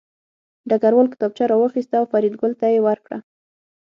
ډګروال کتابچه راواخیسته او فریدګل ته یې ورکړه